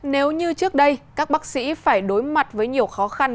nếu như trước đây các bác sĩ phải đối mặt với nhiều khó khăn